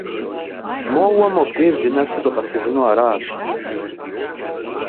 Моуэ мобдеж дынэсу дыкъэсыжыну аращ.